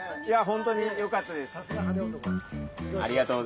本当によかったです。